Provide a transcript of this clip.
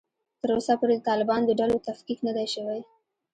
تر اوسه پورې د طالبانو د ډلو تفکیک نه دی شوی